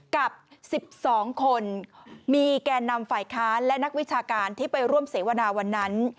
กับ๑๒คนมีแก่นำฝ่ายค้านและนักวิชาการที่ไปร่วมเสวนาวันนั้น